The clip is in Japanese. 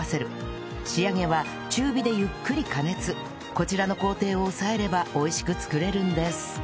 こちらの工程を押さえれば美味しく作れるんです